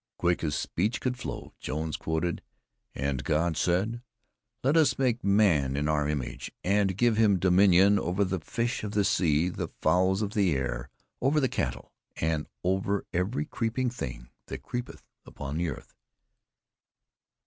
Quick as speech could flow, Jones quoted: "And God said, 'Let us make man in our image, and give him dominion over the fish of the sea, the fowls of the air, over all the cattle, and over every creeping thing that creepeth upon the earth'!"